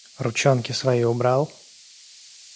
Ручонки свои убрал!